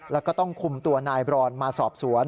แล้วก็ต้องคุมตัวนายบรอนมาสอบสวน